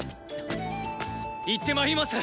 行ってまいります。